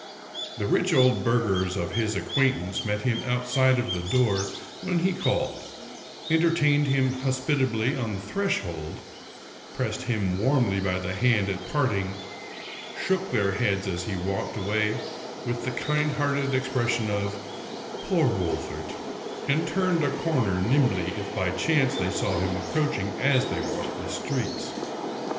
The rich old burghers of his acquaintance met him out side of the door when he called, entertained him hospitably on the threshold, pressed him warmly by the hand at part ing, shook their heads as he walked away, with the kind hearted expression of " poor Wolfert," and turned a corner nimbly if by chance they saw him approaching as they walked the streets.